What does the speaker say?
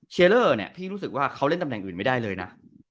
เลอร์เนี่ยพี่รู้สึกว่าเขาเล่นตำแหน่งอื่นไม่ได้เลยนะ